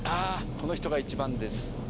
この人が１番です。